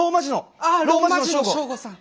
ああローマ字のショウゴさん。